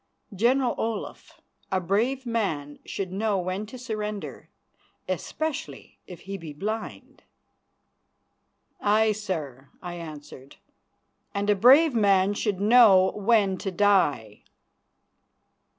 General Olaf, a brave man should know when to surrender, especially if he be blind." "Aye, sir," I answered, "and a brave man should know when to die."